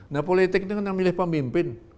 nah politik itu kan yang milih pemimpin